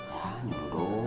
hah nyuruh doang